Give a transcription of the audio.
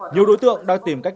nhiều đối tượng đang tìm cách